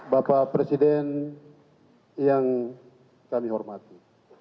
bapak presiden yang kami hormati